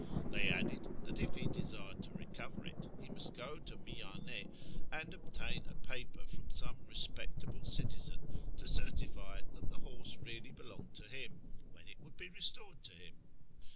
They added that if he desired to recover it, he must go to Miyan^ and obtain a paper from some respectable citizen to certify that the horse really belonged to him, when it would be restored to him.